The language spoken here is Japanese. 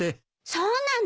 そうなの？